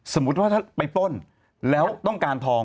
สมมุติว่าถ้าไปปล้นแล้วต้องการทอง